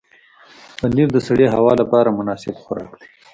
پنېر د سړې هوا لپاره مناسب خوراک دی.